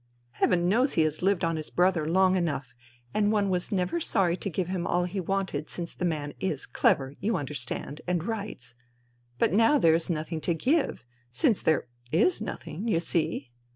Heaven knows he has lived on his brother long enough, and one was never sorry to give him all he wanted since the man is clever, you understand, and writes. But now there is nothing to give ... since there is nothing, you see